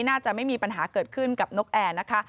น่าจะไม่มีปัญหาเกิดขึ้นกับนกแอร์นะคะ